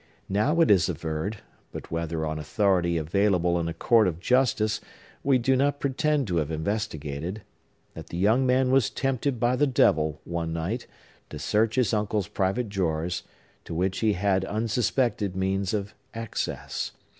Now it is averred,—but whether on authority available in a court of justice, we do not pretend to have investigated,—that the young man was tempted by the devil, one night, to search his uncle's private drawers, to which he had unsuspected means of access.